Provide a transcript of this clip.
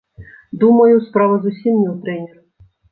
Думаю, справа зусім не ў трэнеры.